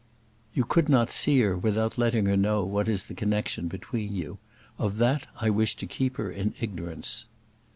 "You could not see her without letting her know what is the connexion between you; of that I wish to keep her in ignorance."